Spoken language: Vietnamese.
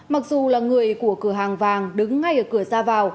mặc dù là người của cửa hàng vàng đứng ngay ở cửa ra vào